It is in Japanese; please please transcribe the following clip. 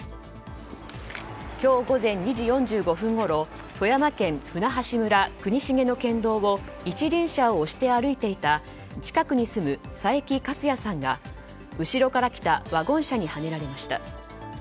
今日午前２時４５分ごろ富山県舟橋村国重の県道を一輪車を押して歩いていた近くに住む佐伯捷也さんが後ろから来たワゴン車にはねられました。